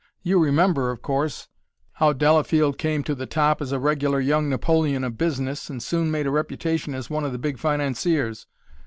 You remember, of course, how Delafield came to the top as a regular young Napoleon of business, and soon made a reputation as one of the big financiers.